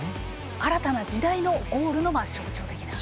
新たな時代のゴールの象徴的な。